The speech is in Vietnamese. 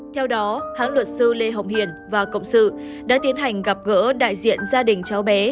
theo đó hãng luật sư lê hồng hiền và cộng sự đã tiến hành gặp gỡ đại diện gia đình cháu bé